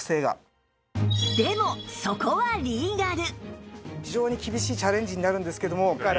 でもそこはリーガル